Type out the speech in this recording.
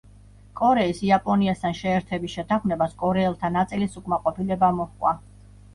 კორეის იაპონიასთან შეერთების შეთანხმებას კორეელთა ნაწილის უკმაყოფილება მოჰყვა.